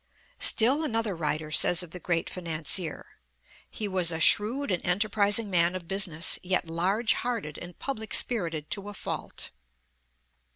Still another writer says of the great financier :'' He was a shrewd and enterprising man of business, yet large hearted and public spirited to a fault."